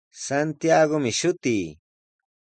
Santiagomi shutii.